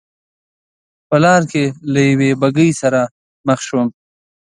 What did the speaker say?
په لار کې له یوې بګۍ سره مخ شوم.